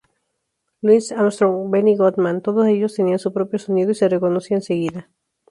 Louis Armstrong, Benny Goodman, todos ellos tenían su propio sonido y se reconocía enseguida.